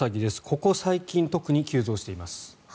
ここ最近、特に急増しています。